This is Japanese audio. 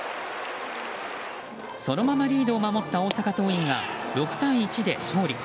そのままリードを守った大阪桐蔭が６対１で勝利。